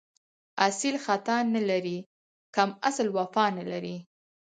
اصیل خطا نه لري، کم اصل وفا نه لري